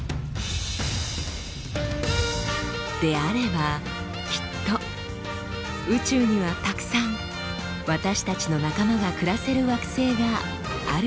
であればきっと宇宙にはたくさん私たちの仲間が暮らせる惑星があるはずです。